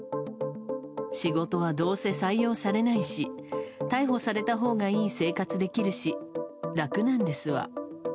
仕事はどうせ採用されないし逮捕されたほうがいい生活できるし楽なんですわ。